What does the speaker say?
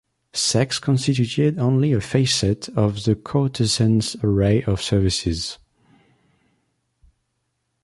Sex constituted only a facet of the courtesan's array of services.